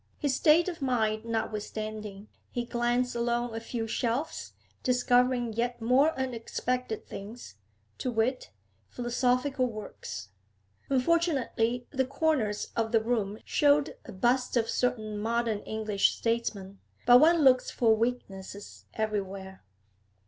His state of mind notwithstanding, he glanced along a few shelves, discovering yet more unexpected things, to wit, philosophical works. Unfortunately the corners of the room showed busts of certain modern English statesmen: but one looks for weaknesses everywhere.